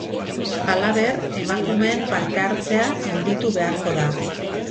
Halaber, emakumeen parte hartzea handitu beharko da.